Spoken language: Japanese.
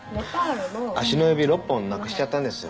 足の指６本なくしちゃったんですよ。